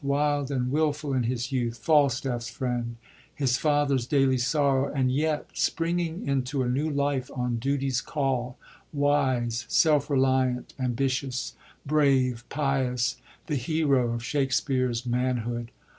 wild and wilful in his youth, FalstafTs friend, his father's daily sorrow; and yet springing into a new life on duty's call, wise, self reliant, ambitious, brave, pious, the hero of Shakspere*s man hood.